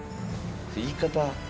言い方。